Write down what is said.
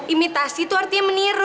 imitasi tuh artinya meniru